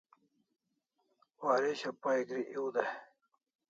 Waresho pay gri ew dai